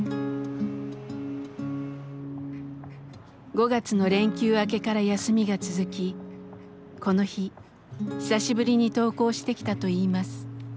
５月の連休明けから休みが続きこの日久しぶりに登校してきたといいます。